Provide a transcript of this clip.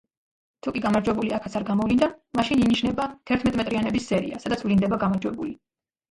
თუკი გამარჯვებული აქაც არ გამოვლინდა, მაშინ ინიშნება თერთმეტრიანების სერია, სადაც ვლინდება გამარჯვებული.